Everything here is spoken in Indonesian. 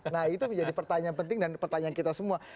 nah itu menjadi pertanyaan penting dan pertanyaan kita semua